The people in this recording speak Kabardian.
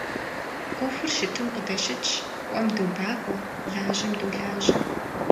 Ӏуэхур щытым къыдэщытщ, кӀуэм добакъуэ, лажьэм долажьэ.